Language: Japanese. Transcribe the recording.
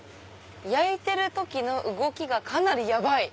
焼いてる時の動きがかなりヤバイ」。